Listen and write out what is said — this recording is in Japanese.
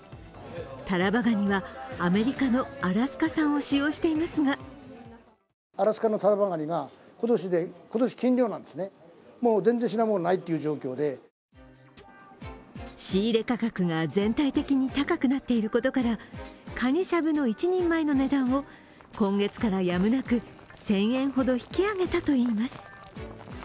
たらばがにはアメリカのアラスカ産を使用していますが仕入価格が全体的に高くなっていることからかにしゃぶの一人前の値段を今月からやむなく１０００円ほど引き上げたといいます。